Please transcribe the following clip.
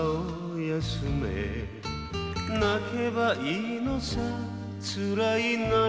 「泣けばいいのさつらいなら」